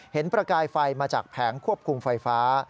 ประกายไฟมาจากแผงควบคุมไฟฟ้า